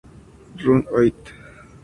Run It!